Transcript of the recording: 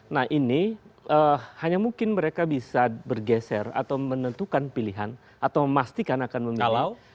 nah ini hanya mungkin mereka bisa bergeser atau menentukan pilihan atau memastikan akan memilih